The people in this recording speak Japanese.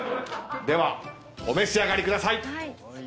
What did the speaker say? ではお召し上がりください。